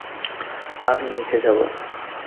আমি নিচে যাবো।